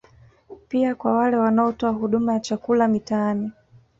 Pia kwa wale wanaotoa huduma ya chakula mitaani